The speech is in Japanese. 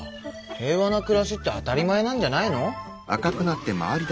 平和な暮らしって当たり前なんじゃないの？